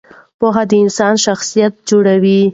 پوهه د انسان شخصیت جوړوي.